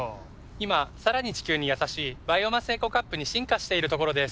今さらに地球にやさしいバイオマスエコカップに進化しているところです。